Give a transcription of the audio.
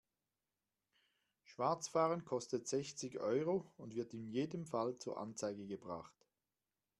Schwarzfahren kostet sechzig Euro und wird in jedem Fall zur Anzeige gebracht.